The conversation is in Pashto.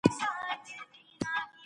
په دې وخت کي کار کول اسانه نه دی.